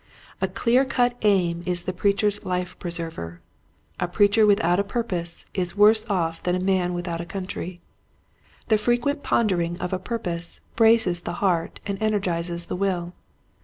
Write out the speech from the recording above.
A clear cut aim is the preacher's life preserver. A preacher without a purpose is worse off than a man without a country. The frequent pondering of a purpose braces the heart and energizes the will.